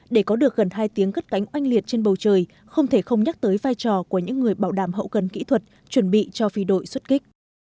để có được gần hai tiếng cất cánh oanh liệt trên bầu trời không thể không nhắc tới vai trò của những người bảo đảm hậu cần kỹ thuật chuẩn bị cho phi đội xuất kích